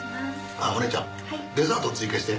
あっおねえちゃんデザート追加して。